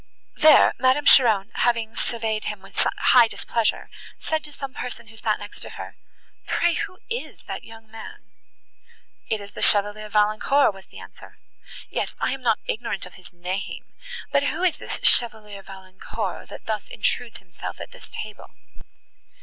There, Madame Cheron having surveyed him with high displeasure, said to some person who sat next to her, "Pray, who is that young man?" "It is the Chevalier Valancourt," was the answer. "Yes, I am not ignorant of his name, but who is this Chevalier Valancourt that thus intrudes himself at this table?"